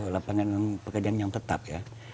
lapangan pekerjaan yang tetap ya